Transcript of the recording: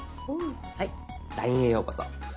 はい「ＬＩＮＥへようこそ」。